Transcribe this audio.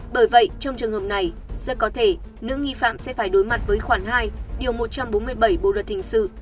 bởi vậy trong trường hợp này rất có thể nữ nghi phạm sẽ phải đối mặt với khoản hai điều một trăm bốn mươi bảy bộ luật hình sự